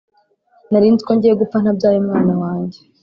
Narinziko ngiye gupfa ntabyaye umwana wanjye